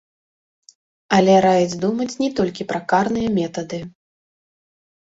Але раіць думаць не толькі пра карныя метады.